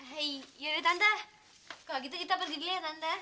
hei yaudah tanta kalau gitu kita pergi dulu ya tanta